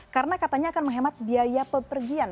karena katanya akan menghemat biaya pepergian